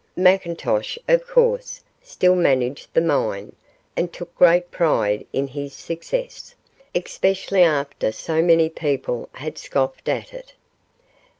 McIntosh, of course, still managed the mine, and took great pride in his success, especially after so many people had scoffed at it.